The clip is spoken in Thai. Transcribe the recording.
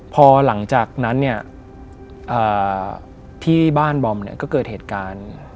พอหลังจากนั้นที่บ้านบอล์มก็เกิดเหตุการณ์